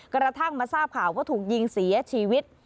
กระทั่งมาทราบข่าวว่าถูกยิงเสียชีวิต